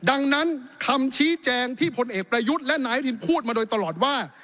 ดังนั้นคำชี้แจงที่พลเอกประยุทธ์และนายอนุทินพูดมาโดยตลอดว่า